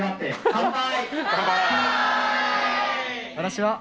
乾杯！